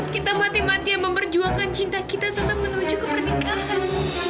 kita mati matian memperjuangkan cinta kita serta menuju ke pernikahan